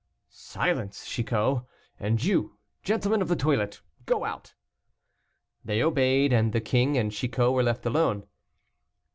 "Silence, Chicot, and you, gentlemen of the toilette, go out." They obeyed, and the king and Chicot were left alone.